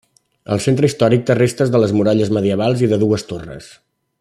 El centre històric té restes de les muralles medievals i de dues torres.